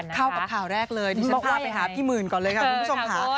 เข้ากับข่าวแรกเลยดิฉันพาไปหาพี่หมื่นก่อนเลยค่ะคุณผู้ชมค่ะ